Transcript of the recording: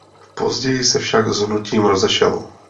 Později se však s hnutím rozešel.